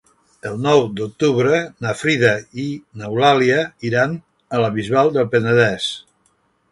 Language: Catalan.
El nou d'octubre na Frida i n'Eulàlia iran a la Bisbal del Penedès.